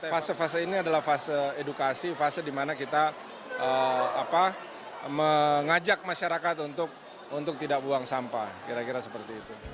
fase fase ini adalah fase edukasi fase dimana kita mengajak masyarakat untuk tidak buang sampah kira kira seperti itu